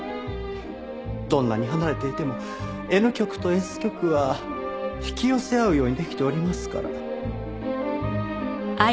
どんなに離れていてもＮ極とＳ極は引き寄せ合うようにできておりますから。